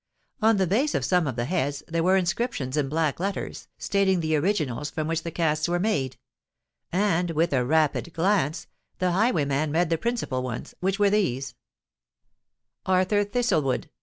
On the base of some of the heads there were inscriptions in black letters, stating the originals from which the casts were made; and, with a rapid glance, the highwayman read the principal ones, which were these:— ARTHUR THISTLEWOOD.